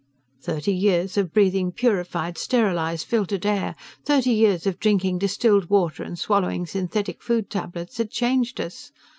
"Thirty years of breathing purified, sterilized, filtered air, thirty years of drinking distilled water and swallowing synthetic food tablets had changed us.